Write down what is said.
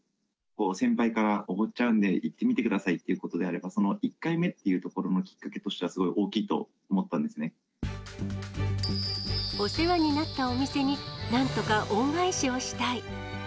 先輩から、おごっちゃうんで、行ってみてくださいということであれば、その１回目っていうところのきっかけとしては、すごい大お世話になったお店に、なんとか恩返しをしたい。